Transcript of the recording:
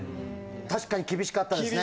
確かに厳しかったですね